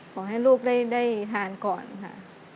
ขอให้ลูกได้ทานก่อนค่ะ